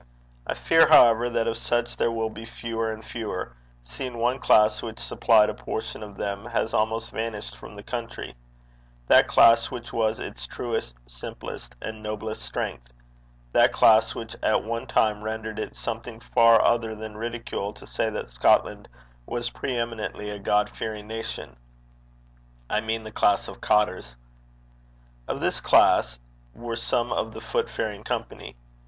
I fear, however, that of such there will be fewer and fewer, seeing one class which supplied a portion of them has almost vanished from the country that class which was its truest, simplest, and noblest strength that class which at one time rendered it something far other than ridicule to say that Scotland was pre eminently a God fearing nation I mean the class of cottars. Of this class were some of the footfaring company.